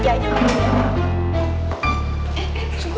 ndah suruh dia ikut